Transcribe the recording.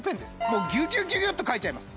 もうギュギュギュギュッと書いちゃいます